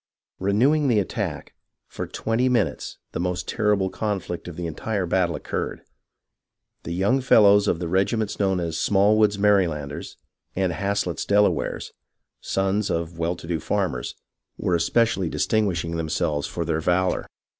Renewing the attack, for twenty minutes the most terrible conflict of the entire battle occurred. The young fellows of the regiments known as Smallwood's Mary landers and Haslet's Delawares, sons of well to do fathers, were especially distinguishing themselves for their valour.